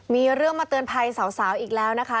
มีเรื่องมาเตือนภัยสาวอีกแล้วนะคะ